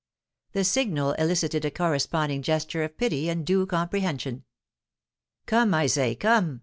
The signal elicited a corresponding gesture of pity and due comprehension. "Come, I say, come!"